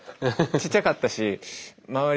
ちっちゃかったし周り